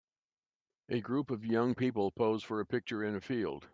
A group of young people pose for a picture in a field